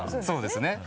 そうですね。